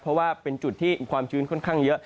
เพราะว่าเป็นจุดที่ความชื้นค่อนข้างเยอะ